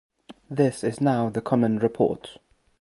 This is now the common report.